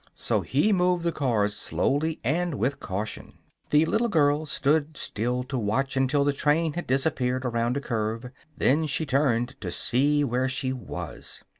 So he moved the cars slowly and with caution. The little girl stood still to watch until the train had disappeared around a curve; then she turned to see where she was.